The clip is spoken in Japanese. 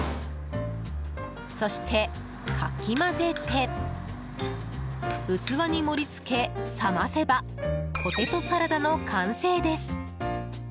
そして、かき混ぜて器に盛り付け、冷ませばポテトサラダの完成です。